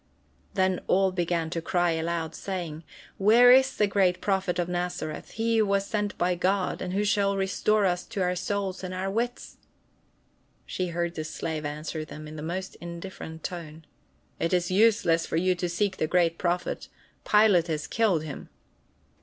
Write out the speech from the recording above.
Then all began to cry aloud, saying: "Where is the great Prophet of Nazareth, he who was sent of God, and who shall restore to us our souls and our wits?" She heard the slave answer them in the most indifferent tone: "It is useless for you to seek the great Prophet, Pilate has killed him."